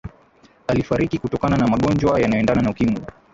alifariki kutokana na magonjwa yanayoendana na ukimwi